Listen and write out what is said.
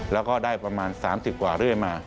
แล้วก็ได้ประมาณ๓๐กว่าเรื่อยมา